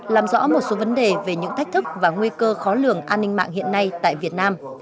làm rõ một số vấn đề về những thách thức và nguy cơ khó lường an ninh mạng hiện nay tại việt nam